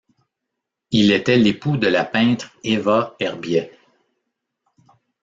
Il était l'époux de la peintre Éva Herbiet.